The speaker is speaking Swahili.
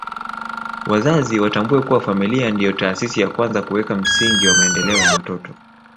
Wazazi watambue kuwa familia ndio taasisi ya kwanza kuweka msingi wa maendeleo ya watoto